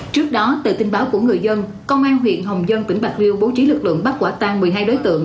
trước đó từ tin báo của người dân công an huyện hồng dân tỉnh bạc liêu bố trí lực lượng bắt quả tan một mươi hai đối tượng